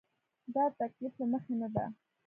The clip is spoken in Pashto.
دا د تکلف له مخې نه ده.